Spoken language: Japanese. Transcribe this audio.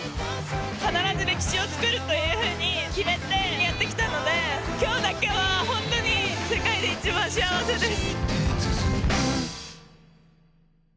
必ず歴史を作るというふうに決めてやってきたので今日だけは、本当に世界で一番幸せです。